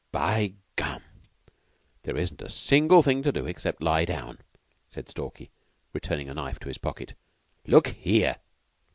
"By gum! There isn't a single thing to do except lie down," said Stalky, returning a knife to his pocket. "Look here!"